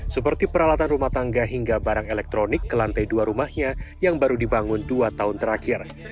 seperti peralatan rumah tangga hingga barang elektronik ke lantai dua rumahnya yang baru dibangun dua tahun terakhir